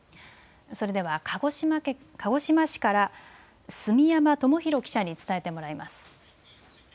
それでは鹿児島市から住山智洋記者に伝えてもらいます。